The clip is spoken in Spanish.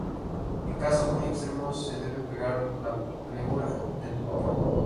En casos muy extremos se debe pegar la pleura del pulmón.